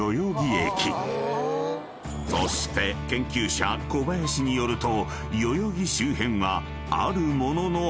［そして研究者小林によると］